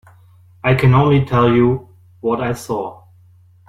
I can only tell you what I saw.